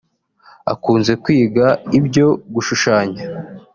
Akunze kwiga ibyo gushushanya